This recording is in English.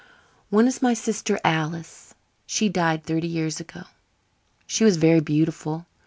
One is my sister Alice. She died thirty years ago. She was very beautiful.